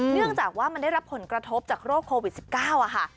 เนื่องจากว่ามันได้รับผลกระทบจากโรคโควิด๑๙ค่ะ